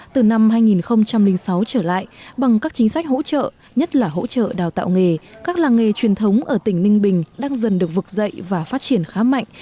từ năm hai nghìn sáu trở lại bằng các chính sách hỗ trợ nhất là hỗ trợ đào tạo nghề các làng nghề truyền thống ở tỉnh ninh bình đang dần được vực dậy và phát triển khá mạnh